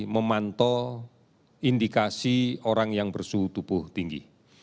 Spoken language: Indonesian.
memantau indikasi orang yang bersuhu tubuh tinggi